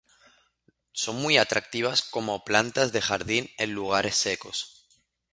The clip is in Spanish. Son muy atractivas como plantas de jardín en lugares secos.